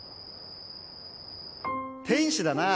天使だなぁ。